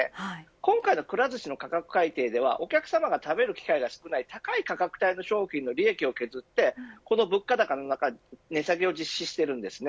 今回のくら寿司の価格改定ではお客さまが食べる機会が少ない高い価格帯の商品の利益を削ってこの物価高の中で値下げを実施しています。